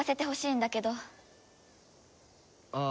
ああ。